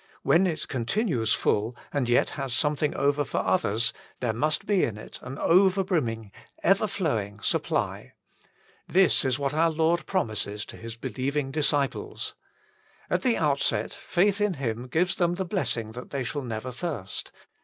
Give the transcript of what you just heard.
When it continues full, and yet has something over for others, there must be in it an over brimming, ever flowing supply. This is what our Lord promises to His believing disciples. At the outset, faith in Him gives them the blessing that they shall never thirst.